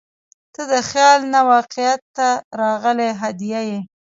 • ته د خیال نه واقعیت ته راغلې هدیه یې.